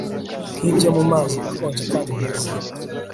Nkibyo mumazi akonje kandi meza